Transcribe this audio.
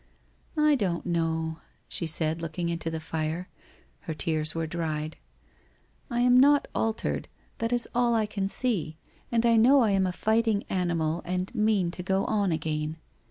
'I don't know,' she said looking into the fire; her tears were dried. * I am not altered, that is all I can see, and I know T am a fighting animal, and mean to go on again.